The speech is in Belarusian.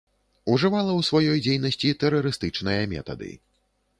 Ужывала ў сваёй дзейнасці тэрарыстычныя метады.